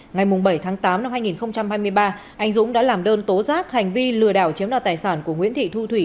ngày bảy tháng tám năm hai nghìn hai mươi ba anh dũng đã làm đơn tố giác hành vi lừa đảo chiếm đoạt tài sản của nguyễn thị thu thủy